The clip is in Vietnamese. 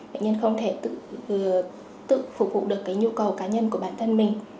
bệnh nhân không thể tự phục vụ được cái nhu cầu cá nhân của bản thân mình